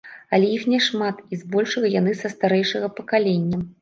Але іх няшмат, і збольшага яны са старэйшага пакалення.